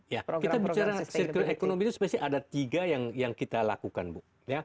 ya kita bicara circular economy itu pasti ada tiga yang kita lakukan bu